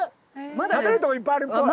食べるところいっぱいあるっぽい。